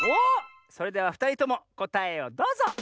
それではふたりともこたえをどうぞ！